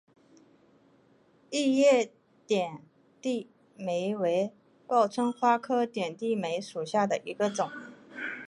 异叶点地梅为报春花科点地梅属下的一个种。